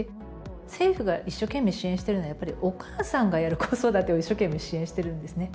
政府が一生懸命支援しているのは、やっぱりお母さんがやる子育てを一生懸命支援してるんですね。